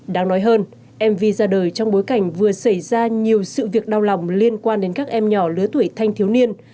đáng nói hơn mv ra đời trong bối cảnh vừa xảy ra nhiều sự việc đau lòng liên quan đến các em nhỏ lứa tuổi thanh thiếu niên